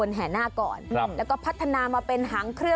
นี่นี่นี่นี่นี่นี่